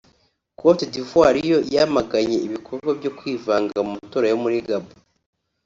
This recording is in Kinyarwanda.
Côte d’Ivoire yo yamaganye ibikorwa byo kwivanga mu matora yo muri Gabon